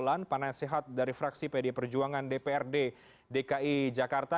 golan panas sehat dari fraksi pdi perjuangan dprd dki jakarta